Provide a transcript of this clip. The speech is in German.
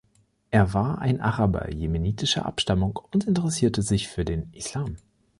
Er war ein Araber jemenitischer Abstammung und interessierte sich für den Islam.